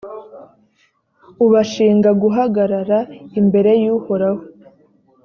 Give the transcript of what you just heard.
ubashinga guhagarara imbere y’uhoraho,